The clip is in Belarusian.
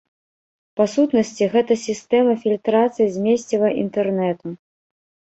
Па сутнасці, гэта сістэма фільтрацыі змесціва інтэрнэту.